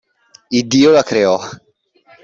Iddio la creò.